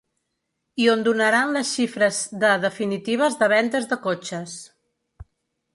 I on donaran les xifres de definitives de vendes de cotxes.